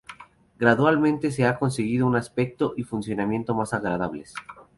Gradualmente se ha conseguido un aspecto y funcionamiento más agradables.